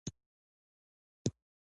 آیا موږ بنده ګان یو؟